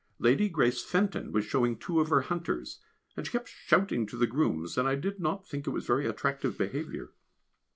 Lady Grace Fenton was showing two of her hunters, and she kept shouting to the grooms, and I did not think it was very attractive behaviour.